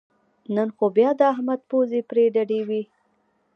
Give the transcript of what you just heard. نن خو بیا د احمد پوزې پرې ډډې وې